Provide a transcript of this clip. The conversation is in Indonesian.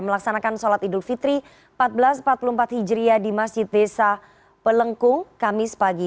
melaksanakan sholat idul fitri seribu empat ratus empat puluh empat hijriah di masjid desa pelengkung kamis pagi